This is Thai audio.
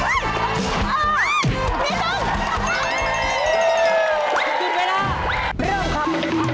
โอ้ยกลิ่นมาก